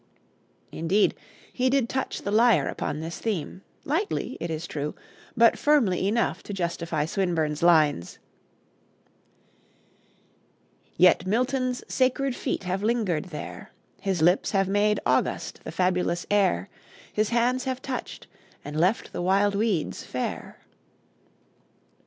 Indeed, he did touch the lyre upon this theme, lightly, it is true, but firmly enough to justify Swinburne's lines: "Yet Milton's sacred feet have lingered there, His lips have made august the fabulous air, His hands have touched and left the wild weeds fair."